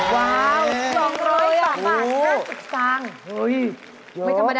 ว้าว๒๐๐บาท๕๐บาทไม่ธรรมดานะ